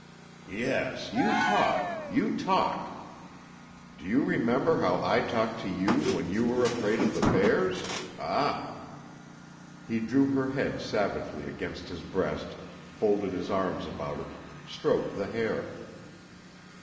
"Yes, you talk you talk. Do you remember how I talked to you when you were afraid of the bears ah!" He drew her head savagely against his breast, folded his arms about it, stroked the hair.